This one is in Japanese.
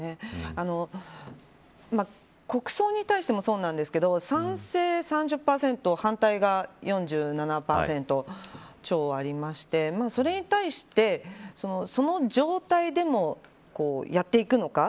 国葬に対してもそうなんですけど賛成３０％反対が４７％超ありましてそれに対して、その状態でもやっていくのか。